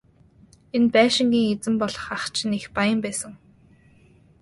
Энэ байшингийн эзэн болох ах чинь их баян байсан.